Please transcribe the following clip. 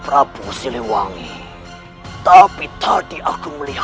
raden mirwad terima kasih